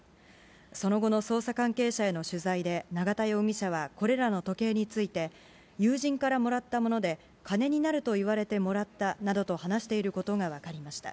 その後の捜査関係者への取材で永田容疑者は、これらの時計について、友人からもらったもので、金になると言われてもらったなどと話していることが分かりました。